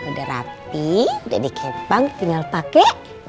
udah rapi udah dikepang tinggal pakai